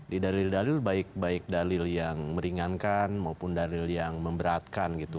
di dalil dalil baik baik dalil yang meringankan maupun dalil yang memberatkan gitu